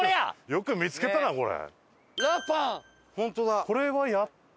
よく見つけたなこれ。